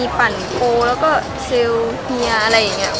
ปั่นโพแล้วก็เซลล์เฮียอะไรอย่างนี้